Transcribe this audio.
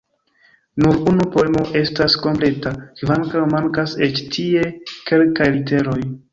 Nur unu poemo estas kompleta, kvankam mankas eĉ tie kelkaj literoj.